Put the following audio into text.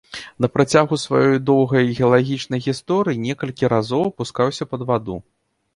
На працягу сваёй доўгай геалагічнай гісторыі некалькі разоў апускаўся пад ваду.